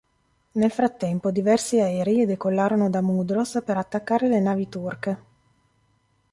Nel frattempo diversi aerei decollarono da Mudros per attaccare le navi turche.